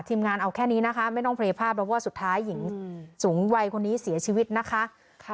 งานเอาแค่นี้นะคะไม่ต้องเพลย์ภาพแล้วเพราะว่าสุดท้ายหญิงสูงวัยคนนี้เสียชีวิตนะคะ